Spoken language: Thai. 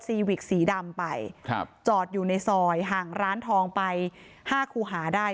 วิกสีดำไปครับจอดอยู่ในซอยห่างร้านทองไปห้าคูหาได้